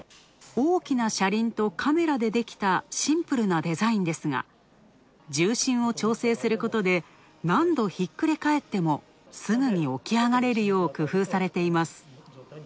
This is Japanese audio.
大きな車輪とカメラでできたシンプルなデザインですが、重心を調整することで何度ひっくり返ってもすぐに起き上がれるように工夫されています。